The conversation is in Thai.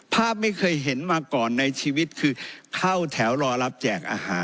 ภาพไม่เคยเห็นมาก่อนในชีวิตคือ